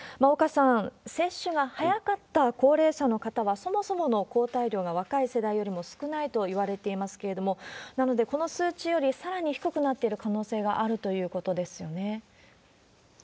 岡さん、接種が早かった高齢者の方は、そもそもの抗体量が、若い世代よりも少ないといわれていますけれども、なので、この数値よりさらに低くなっている可能性があるということですよ